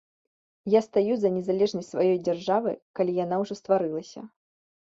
Я стаю за незалежнасць сваёй дзяржавы, калі яна ўжо стварылася.